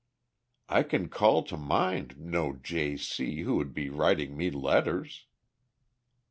"I can call to mind no J.C. who would be writing me letters!"